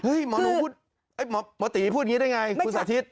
หมอหนูพูดหมอตีพูดอย่างนี้ได้ไงคุณสาธิต